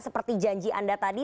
seperti janji anda tadi